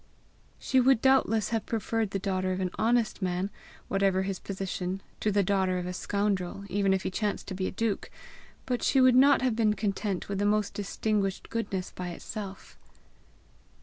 She would doubtless have preferred the daughter of an honest man, whatever his position, to the daughter of a scoundrel, even if he chanced to be a duke; but she would not have been content with the most distinguished goodness by itself.